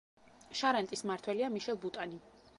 შარანტის მმართველია მიშელ ბუტანი.